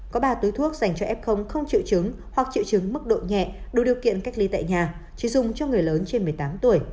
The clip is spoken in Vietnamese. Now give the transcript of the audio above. có ba túi thuốc dành cho f không triệu chứng hoặc triệu chứng mức độ nhẹ đủ điều kiện cách ly tại nhà chỉ dùng cho người lớn trên một mươi tám tuổi